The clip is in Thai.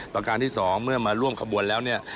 ประการที่สองเมื่อมาร่วมขบวนแล้วเนี่ย